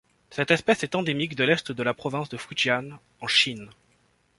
Cette espèce est endémique de l'Est de la province de Fujian en Chine.